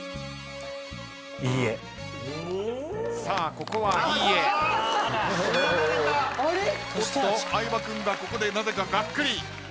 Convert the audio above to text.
さあここは「いいえ」おっと相葉君がここでなぜかガックリ。